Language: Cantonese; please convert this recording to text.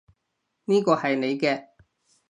呢個係你嘅